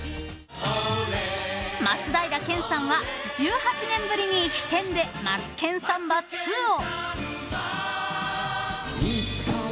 ［松平健さんは１８年ぶりに飛天で『マツケンサンバⅡ』を］